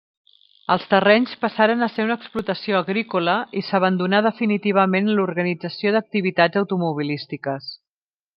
Els terrenys passaren a ser una explotació agrícola i s'abandonà definitivament l'organització d'activitats automobilístiques.